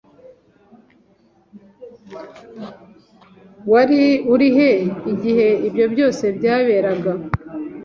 Wari urihe igihe ibyo byose byaberaga?